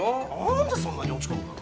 なんでそんなに落ち込むかな。